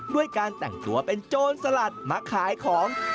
ด้วยการแต่งตัวเป็นโจรสลัดมาขายของ